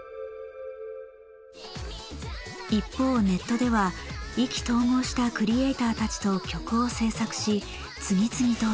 一方ネットでは意気投合したクリエーターたちと曲を制作し次々と投稿。